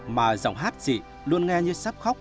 mà giọng hát chị luôn nghe như sắp khóc